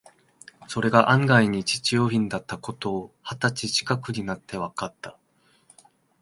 それが案外に実用品だった事を、二十歳ちかくになってわかって、